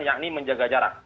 yakni menjaga jarak